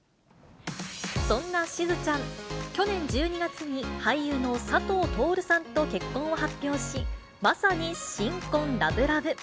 そんなしずちゃん、去年１２月に俳優の佐藤達さんと結婚を発表し、まさに新婚ラブラブ。